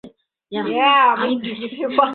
এই জেলার সদর শহর গেজিং।